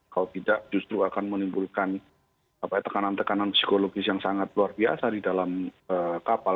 kalau tidak justru akan menimbulkan tekanan tekanan psikologis yang sangat luar biasa di dalam kapal